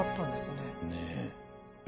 ねえ。